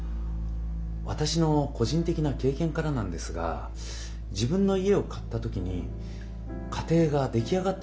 私の個人的な経験からなんですが自分の家を買った時に家庭が出来上がったように感じたんです。